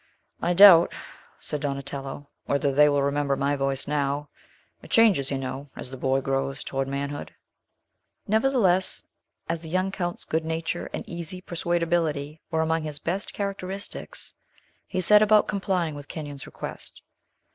"I doubt," said Donatello, "whether they will remember my voice now. It changes, you know, as the boy grows towards manhood." Nevertheless, as the young Count's good nature and easy persuadability were among his best characteristics, he set about complying with Kenyon's request.